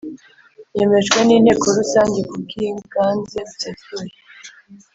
yemejwe n Inteko Rusange kubwiganze busesuye